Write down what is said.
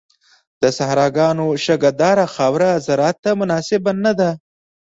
د صحراګانو شګهداره خاوره زراعت ته مناسبه نه ده.